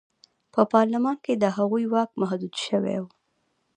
په پارلمان کې د هغوی واک محدود شوی و.